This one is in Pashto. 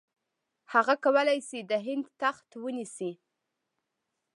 هغه کولای شي د هند تخت ونیسي.